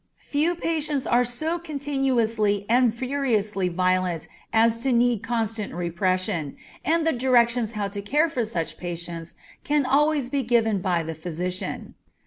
Few patients are so continuously and furiously violent as to need constant repression, and the directions how to care for such patients can always be given by the physician.